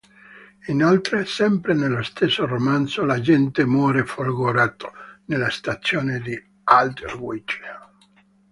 Inoltre, sempre nello stesso romanzo, l'agente muore folgorato nella stazione di Aldwych.